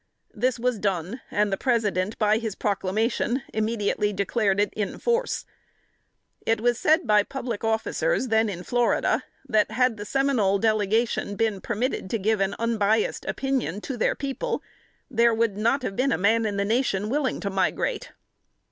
This was done, and the President by his proclamation immediately declared it in force. It was said by public officers, then in Florida, that had the Seminole delegation been permitted to give an unbiased opinion to their people, there would not have been a man in the Nation willing to migrate.